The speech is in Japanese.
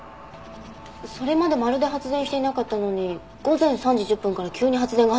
それまでまるで発電していなかったのに午前３時１０分から急に発電が始まってます。